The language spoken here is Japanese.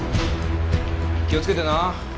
気をつけてな。